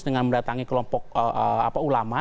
dengan mendatangi kelompok ulama